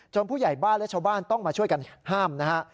ผู้ใหญ่บ้านและชาวบ้านต้องมาช่วยกันห้ามนะฮะ